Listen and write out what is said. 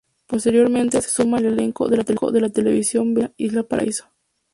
Posteriormente, se suma al elenco de la teleserie vespertina; Isla Paraíso.